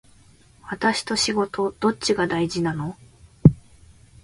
私と仕事どっちが大事なの